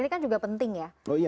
ini kan juga penting ya